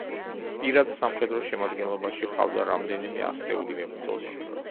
პირად სამხედრო შემადგენლობაში ჰყავდა რამდენიმე ასეული მებრძოლი.